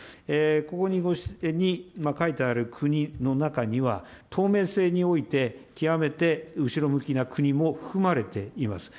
ここに書いてある国の中には、透明性において極めて後ろ向きな国も含まれています。